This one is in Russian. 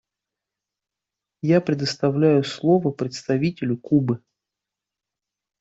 Я предоставляю слово представителю Кубы.